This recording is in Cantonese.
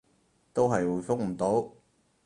都係回覆唔到